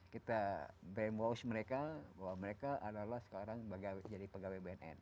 kita brainwash mereka bahwa mereka adalah sekarang pegawai bnn